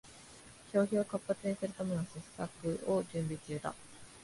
消費を活発にするための施策を準備中だ